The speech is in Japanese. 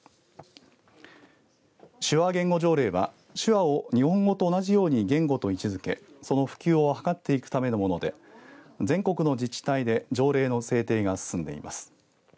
手話言語条例は手話を日本語と同じように言語と位置づけその普及を図っていくためのもので全国の自治体で条例の制定が進んでいます。